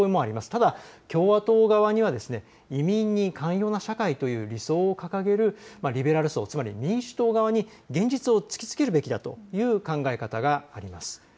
ただ共和党側には移民に寛容な社会、つまりリベラル層、民主党側に現実を突きつけるべきだという考え方があります。